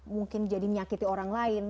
mungkin jadi menyakiti orang lain